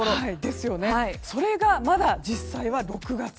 それがまだ実際は６月。